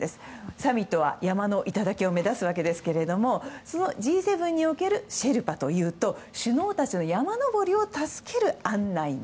サミットは山の頂を目指すわけですがＧ７におけるシェルパというと首脳たちの山登りを助ける案内人。